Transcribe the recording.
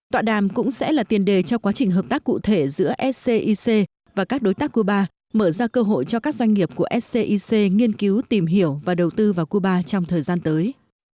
tọa đàm cũng sẽ là tiền đề cho quá trình hợp tác cụ thể giữa scic và các đối tác cuba mở ra cơ hội cho các doanh nghiệp của scic nghiên cứu tìm hiểu và đầu tư vào cuba trong thời gian tới